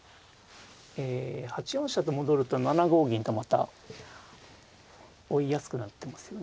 え８四飛車と戻ると７五銀とまた追いやすくなってますよね。